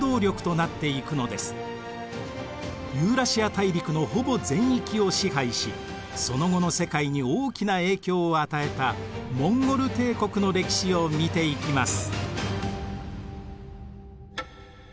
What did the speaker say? ユーラシア大陸のほぼ全域を支配しその後の世界に大きな影響を与えたモンゴル帝国の歴史を見ていきます。